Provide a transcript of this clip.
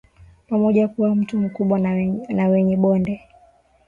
pamoja Kuwa mto mkubwa na wenye bonde